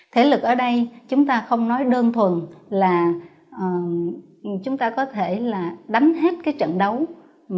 thể lực ở đây chúng ta không nói đơn thuần là chúng ta có thể là đánh hết cái trận đấu mà không bị bỏ cuộc giữa chừng